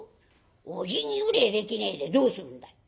おじぎぐれえできねえでどうするんだ。